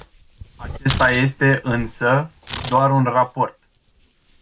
Acesta este, însă, doar un raport.